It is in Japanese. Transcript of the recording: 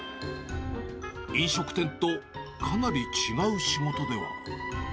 飲食店とかなり違う仕事では。